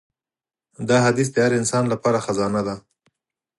دا حدیث د هر انسان لپاره خزانه ده.